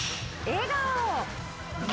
笑顔。